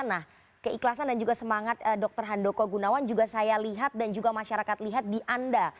nah keikhlasan dan juga semangat dokter handoko gunawan juga saya lihat dan juga masyarakat lihat di anda